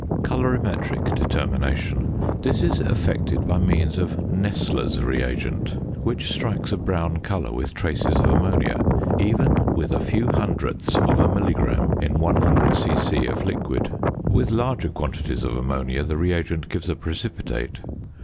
COLORIMETRIC DETERMINATION. This is effected by means of "Nessler's" reagent, which strikes a brown colour with traces of ammonia, even with a few hundredths of a milligram in 100 c.c. of liquid. With larger quantities of ammonia the reagent gives a precipitate.